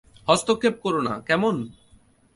হস্তক্ষেপ কোরো না, কেমন?